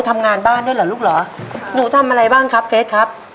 ทำงานบ้านด้วยเหรอลูกเหรอหนูทำอะไรบ้างครับเฟสครับ